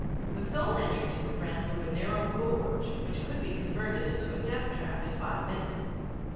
The sole entry to it ran through a narrow gorge which could be converted into a death trap in five minutes.